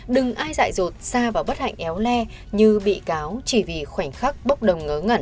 đừng ai dại rột xa vào bất hạnh éo le như bị cáo chỉ vì khoảnh khắc bốc đồng ngớ ngẩn